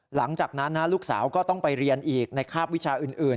หลังจากนั้นลูกสาวก็ต้องไปเรียนอีกในคาบวิชาอื่น